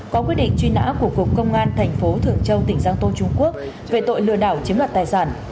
có quyết định truy nã của cục công an thành phố thường châu tỉnh giang tô trung quốc về tội lừa đảo chiếm đoạt tài sản